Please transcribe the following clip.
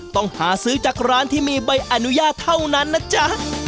ต้องหาซื้อจากร้านที่มีใบอนุญาตเท่านั้นนะจ๊ะ